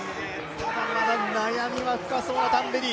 ただまだ悩みは深そうなタンベリ。